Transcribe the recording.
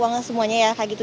uangnya semuanya ya kayak gitu